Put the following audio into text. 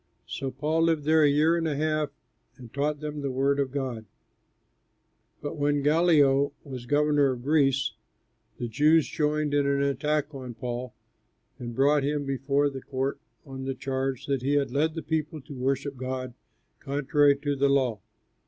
So Paul lived there a year and a half and taught them the word of God. But when Gallio was governor of Greece, the Jews joined in an attack on Paul and brought him before the court on the charge that he led people to worship God contrary to the law.